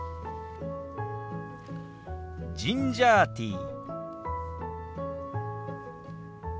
「ジンジャーティー」。